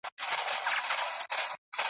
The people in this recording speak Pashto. د بهار په انتظار یو ګوندي راسي ,